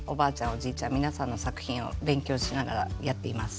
おじいちゃん皆さんの作品を勉強しながらやっています。